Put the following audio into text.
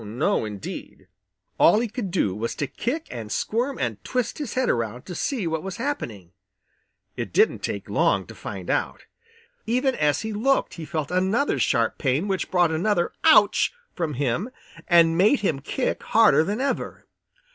No, indeed! All he could do was to kick and squirm and twist his head around to see what was happening. It didn't take long to find out. Even as he looked, he felt another sharp pain which brought another "Ouch!" from him and made him kick harder than ever.